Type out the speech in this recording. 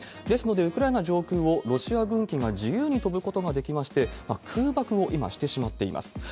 ですので、ウクライナ上空をロシア軍機が自由に飛ぶことができまして、空爆を今してしまっています。